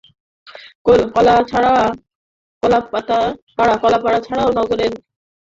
কলাপাড়া ছাড়াও নগরের অর্ধশতাধিক এলাকায় এভাবে যত্রতত্র আবর্জনা ফেলছেন স্থানীয় লোকজন।